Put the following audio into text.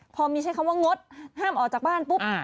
พอมีใช้คำว่างดห้ามออกจากบ้านปุ๊บ